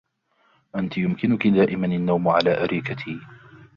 أنتِ يمكنكِ دائماً النوم على أريكتي.